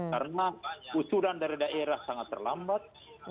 karena usuran dari daerah sangat terlambat